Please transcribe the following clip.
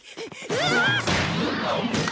うわっ！